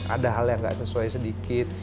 ada hal yang nggak sesuai sedikit